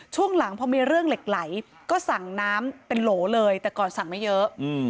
ช่วงหลังพอมีเรื่องเหล็กไหลก็สั่งน้ำเป็นโหลเลยแต่ก่อนสั่งไม่เยอะ